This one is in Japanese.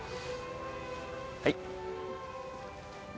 はい。